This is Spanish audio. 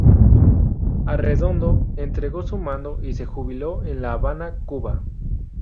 Arredondo entregó su mando y se jubiló en La Habana, Cuba.